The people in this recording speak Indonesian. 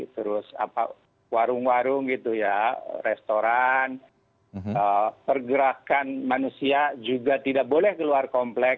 terus warung warung gitu ya restoran pergerakan manusia juga tidak boleh keluar komplek